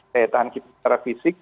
daya tahan secara fisik